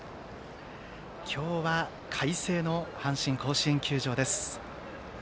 今日は、快晴の阪神甲子園球場。